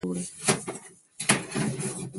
چې د غیرت اصل مانا پر برعکس اوړي.